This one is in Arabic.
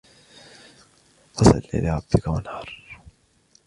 فصل لربك وانحر